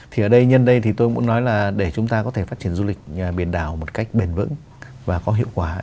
thì ở đây nhân đây thì tôi muốn nói là để chúng ta có thể phát triển du lịch biển đảo một cách bền vững và có hiệu quả